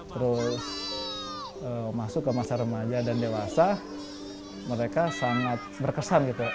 terus masuk ke masa remaja dan dewasa mereka sangat berkesan gitu